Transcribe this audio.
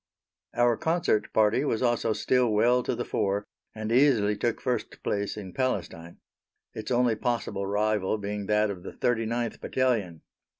Our Concert Party was also still well to the fore, and easily took first place in Palestine its only possible rival being that of the 39th Battalion.